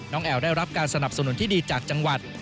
แอวได้รับการสนับสนุนที่ดีจากจังหวัด